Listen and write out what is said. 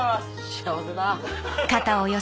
幸せだ！